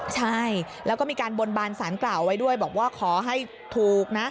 ใช่แล้วก็มีการบนบานสารกล่าวไว้ด้วยบอกว่าขอให้ถูกนะ